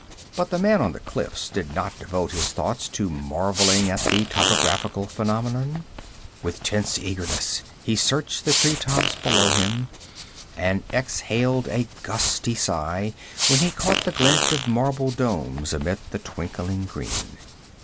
But the man on the cliffs did not devote his thoughts to marveling at the topographical phenomenon. With tense eagerness he searched the tree tops below him, and exhaled a gusty sigh when he caught the glint of marble domes amidst the twinkling green.